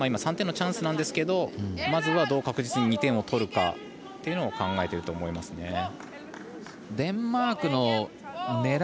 ３点のチャンスなんですけどまずはどう確実に２点を取るかというのを考えてると思いますね。